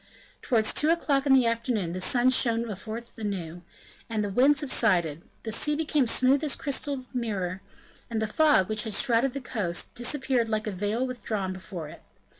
Towards two o'clock in the afternoon the sun shone forth anew, the wind subsided, the sea became smooth as a crystal mirror, and the fog, which had shrouded the coast, disappeared like a veil withdrawn before it.